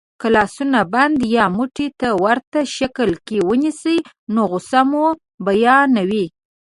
که لاسونه بند یا موټي ته ورته شکل کې ونیسئ نو غسه مو بیانوي.